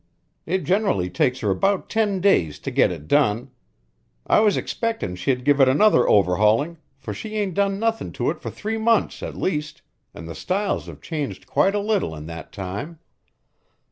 It generally takes her about ten days to get it done. I was expectin' she'd give it another overhauling, for she ain't done nothin' to it for three months at least an' the styles have changed quite a little in that time.